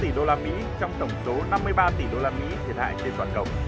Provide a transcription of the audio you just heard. thiệt hại trên toàn cầu